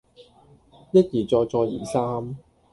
一而再再而三